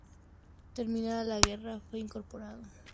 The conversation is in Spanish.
Terminada la guerra, fue incorporado a la escuadrilla del Alto Uruguay.